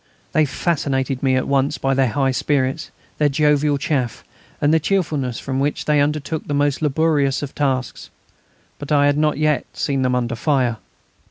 They fascinated me at once by their high spirits, their jovial chaff, and the cheerfulness with which they undertook the most laborious tasks. But I had not yet seen them under fire.